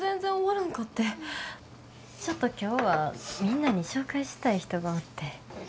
ちょっと今日はみんなに紹介したい人がおって。